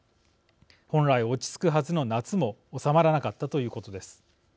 本来、落ち着くはずの夏も収まらなかったということです。